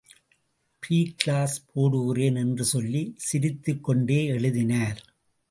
B class போடுகிறேன் என்று சொல்லி சிரித்துக் கொண்டேஎழுதினார்.